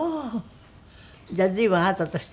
じゃあ随分あなたとしては。